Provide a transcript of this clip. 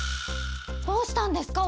どうしたんですか？